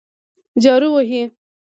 جارو وهي.